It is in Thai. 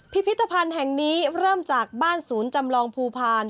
พิพิธภัณฑ์แห่งนี้เริ่มจากบ้านศูนย์จำลองภูพาล